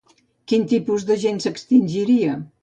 Quin tipus de gent s'extingiria?